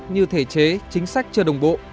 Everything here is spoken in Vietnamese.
như thể chế chính sách chưa đồng bộ